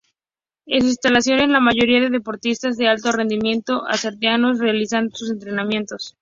En sus instalaciones la mayoría de deportistas de alto rendimiento argentinos realizan sus entrenamientos.